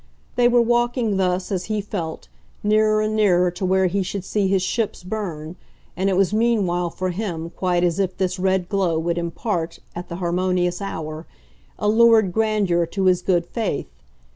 They were walking thus, as he felt, nearer and nearer to where he should see his ships burn, and it was meanwhile for him quite as if this red glow would impart, at the harmonious hour, a lurid grandeur to his good faith.